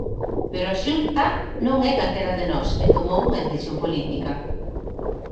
Pero a Xunta non é calquera de nós e tomou unha decisión política.